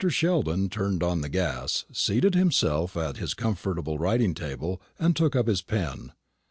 Sheldon turned on the gas, seated himself at his comfortable writing table, and took up his pen.